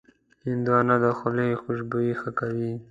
هندوانه د خولې خوشبويي ښه کوي.